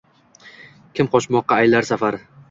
Kim qochmoqqa aylar safar